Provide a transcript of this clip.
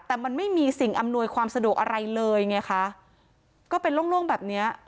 แต่มันไม่มีสิ่งอำนวยความสะดวกอะไรเลยไงคะก็เป็นโล่งโล่งแบบเนี้ย